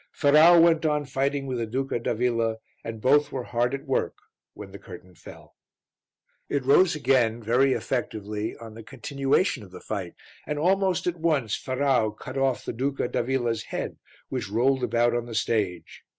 Ferrau went on fighting with the Duca d'Avilla and both were hard at work when the curtain fell. It rose again, very effectively, on the continuation of the fight, and almost at once Ferrau cut off the Duca d'Avilla's head which rolled about on the stage.